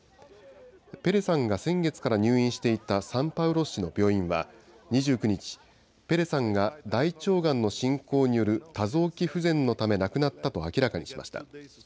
ペレさんが先月から入院していたサンパウロ市の病院は２９日、ペレさんが大腸がんの進行による多臓器不全のため亡くなったと明らかにしました。